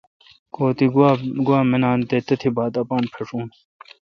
کو تہ گوا منان تہ تبتھہ اپان پھݭون۔